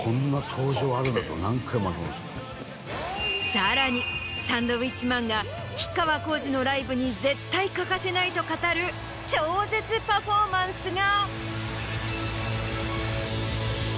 さらにサンドウィッチマンが吉川晃司のライブに絶対欠かせないと語る超絶パフォーマンスが。